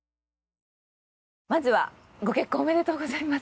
まずはご結婚おめでとうございます。